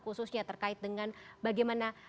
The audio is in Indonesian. khususnya terkait dengan bagaimana